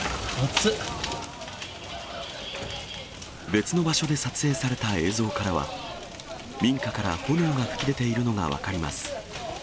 別の場所で撮影された映像からは、民家から炎が噴き出ているのが分かります。